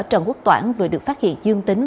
trần quốc toản vừa được phát hiện dương tính